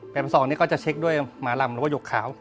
แปรนที่สองก็จะเช็กด้วยหมารำหรือว่าหยกขาว